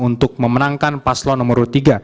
untuk memenangkan paslawan nomor urut tiga